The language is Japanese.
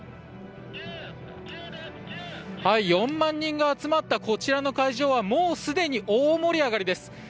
４万人が集まったこちらの会場はもうすでに大盛り上がりです。